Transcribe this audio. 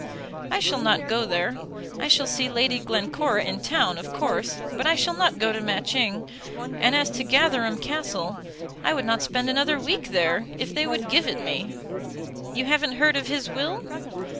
"I shall not go there. I shall see Lady Glencora in town, of course; but I shall not go to Matching; and as to Gatherum Castle, I would not spend another week there, if they would give it me. You haven't heard of his will?"